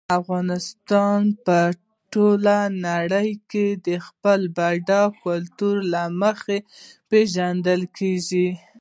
افغانستان په ټوله نړۍ کې د خپل بډایه کلتور له مخې پېژندل کېږي.